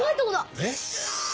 えっ？